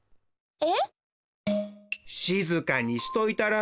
え！